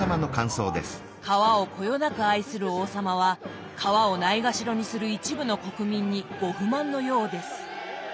皮をこよなく愛する王様は皮をないがしろにする一部の国民にご不満のようです。